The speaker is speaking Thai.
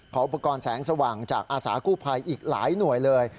อุปกรณ์แสงสว่างจากอาสากู้ภัยอีกหลายหน่วยเลย